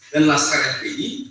dan laskar fpi